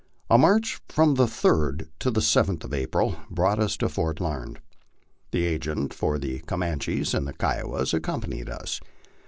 A march from the 3d to the 7th of April brought us to Fort Larned. The agent for the Comanches and Kiowas accompanied us.